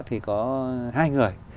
thì có hai người